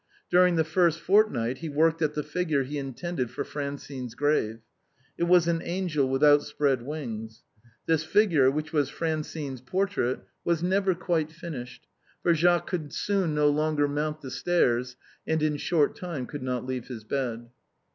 During the first fortnight he worked at the figure he intended for Francine's grave. It was an angel with outspread wings. This figure, which was Fran cine's portrait, was never quite finished, for Jacques could soon no longer mount the stairs, and in a short time could not leave his bed.